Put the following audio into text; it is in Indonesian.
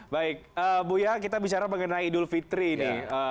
baik buya kita bicara mengenai idul fitri ini